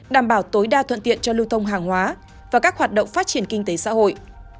đảm bảo tối đa thuận tiện cho lưu thông hàng hóa và các hoạt động phát triển kinh tế xã hội